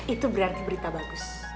itu berarti berita bagus